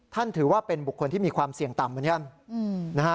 ท่านถือว่าเป็นบุคคลที่มีความเสี่ยงต่ำอย่างนี้